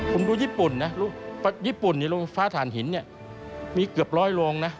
คุณดูญี่ปุ่นนะญี่ปุ่นนี่โรงไฟฟ้าถ่านหินเนี่ยมีเกือบร้อยลงนะ